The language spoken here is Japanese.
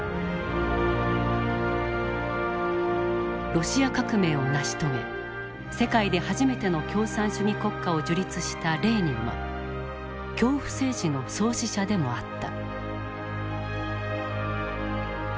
ロシア革命を成し遂げ世界で初めての共産主義国家を樹立したレーニンは恐怖政治の創始者でもあった。